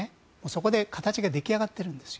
そこで形が出来上がっているんです。